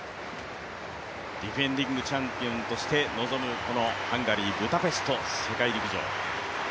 ディフェンディングチャンピオンとして臨むハンガリー・ブダペスト世界陸上。